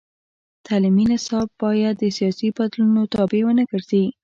تعلیمي نصاب باید د سیاسي بدلونونو تابع ونه ګرځي.